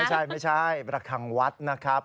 ไม่ใช่ไม่ใช่ประคังวัดนะครับ